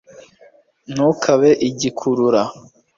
ntukabe igikurura